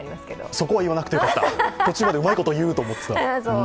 そこは言わなくてよかった、途中までうまいこと言うと思った。